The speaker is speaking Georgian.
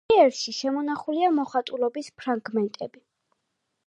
ინტერიერში შემონახულია მოხატულობის ფრაგმენტები.